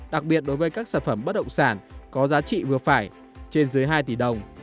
đặc biệt đối với các sản phẩm bất động sản có giá trị vừa phải trên dưới hai tỷ đồng